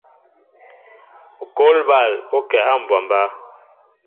Ŋkɔl bal ó kɛ á mɓombá.